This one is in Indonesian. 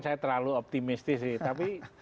saya terlalu optimistis sih tapi